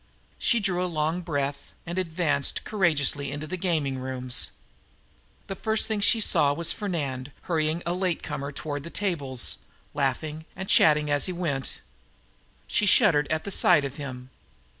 She drew a long breath and advanced courageously into the gaming rooms. The first thing she saw was Fernand hurrying a late comer toward the tables, laughing and chatting as he went. She shuddered at the sight of him.